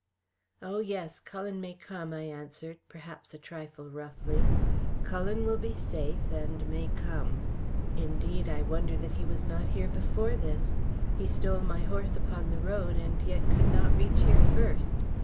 "Oh! yes, Cullen may come," I answered, perhaps a trifle roughly. "Cullen will be safe and may come. Indeed, I wonder that he was not here before this. He stole my horse upon the road and yet could not reach here first.